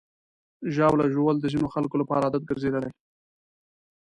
ژاوله ژوول د ځینو خلکو لپاره عادت ګرځېدلی.